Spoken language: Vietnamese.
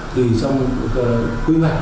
thì trong quy hoạch